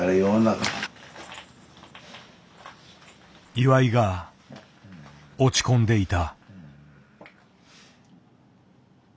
岩井が落ち込んでいた。